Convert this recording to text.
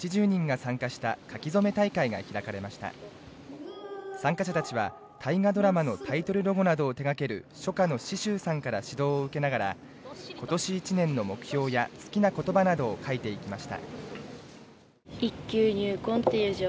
参加者たちは、大河ドラマのタイトルロゴなどを手がける書家の紫舟さんから指導を受けながら、今年一年の目標や好きな言葉などを書いていきました。